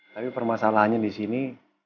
tapi permasalahannya di sini